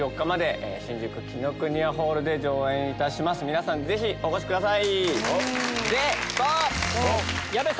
皆さんぜひお越しください！でストップ！